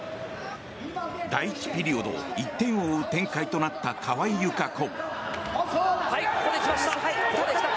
第１ピリオド、１点を追う展開となった川井友香子。